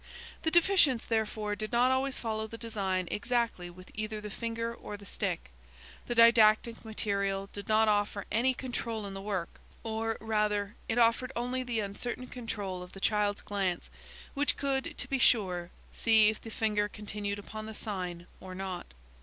The deficients, therefore, did not always follow the design exactly with either the finger or the stick. The didactic material did not offer any control in the work, or rather it offered only the uncertain control of the child's glance, which could, to be sure, see if the finger continued upon the sign, or not.